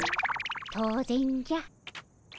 当然じゃ。